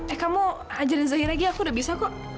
eh kamu ajarin zahir lagi aku udah bisa kok